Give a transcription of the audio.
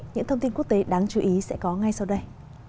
những thông tin quốc tế đáng chú ý sẽ có ngay sau đây